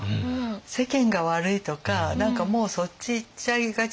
世間が悪いとか何かもうそっちいっちゃいがちなんです。